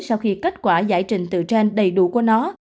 sau khi kết quả giải trình từ trên đầy đủ của nó